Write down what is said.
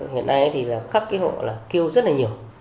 hiện nay thì là các cái hộ là kêu rất là nhiều